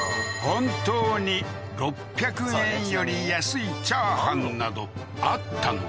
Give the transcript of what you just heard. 本当に６００円より安いチャーハンなどあったのか？